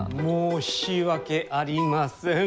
申し訳ありません。